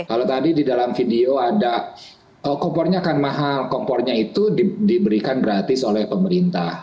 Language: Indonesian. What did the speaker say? kalau tadi di dalam video ada kompornya akan mahal kompornya itu diberikan gratis oleh pemerintah